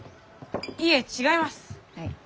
いえ違います！